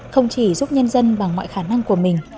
không chỉ giúp nhân dân bằng mọi khả năng của mình